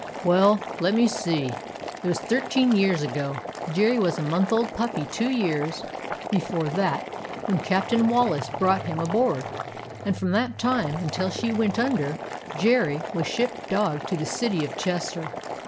"Well, let me see. It was thirteen years ago; Jerry was a month old puppy two years before that, when Cap'n Wallace brought him aboard; and from that time until she went under, Jerry was ship dog to the City of Ches ter.